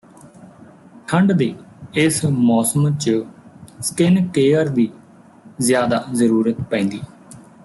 ਠੰਡ ਦੇ ਇਸ ਮੌਸਮ ਚ ਸਕਿਨ ਕੇਅਰ ਦੀ ਜ਼ਿਆਦਾ ਜ਼ਰੂਰਤ ਪੈਂਦੀ